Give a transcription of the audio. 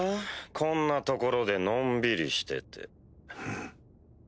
・こんな所でのんびりしてて。